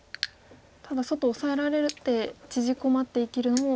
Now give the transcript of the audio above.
ただ外オサえられて縮こまって生きるのも。